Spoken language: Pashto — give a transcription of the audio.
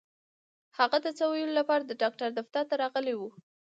هغه د څه ويلو لپاره د ډاکټر دفتر ته راغلې وه.